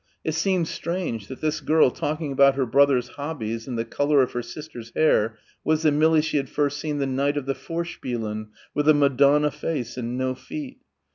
It seemed strange that this girl talking about her brothers' hobbies and the colour of her sister's hair was the Millie she had first seen the night of the Vorspielen with the "Madonna" face and no feet.